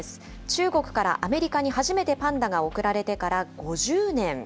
中国からアメリカに初めてパンダが送られてから５０年。